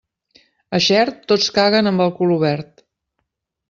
A Xert, tots caguen amb el cul obert.